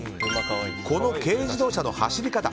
この軽自動車の走り方